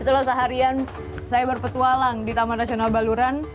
itulah seharian saya berpetualang di taman nasional baluran